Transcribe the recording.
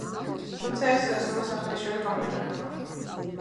თუმცა, ეს სრული სახელი იშვიათად გამოიყენება.